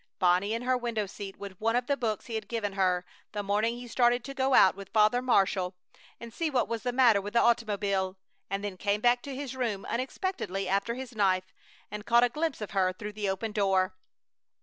Bonnie in her window seat with one of the books he had given her, the morning he started to go out with Father Marshall and see what was the matter with the automobile, and then came back to his room unexpectedly after his knife and caught a glimpse of her through the open door.